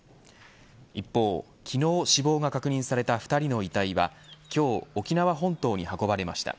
一方、昨日死亡が確認された２人の遺体は今日、沖縄本島に運ばれました。